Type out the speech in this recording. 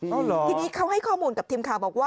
ทีนี้เขาให้ข้อมูลกับทีมข่าวบอกว่า